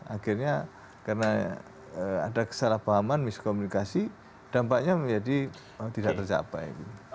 akhirnya karena ada kesalahpahaman miskomunikasi dampaknya menjadi tidak tercapai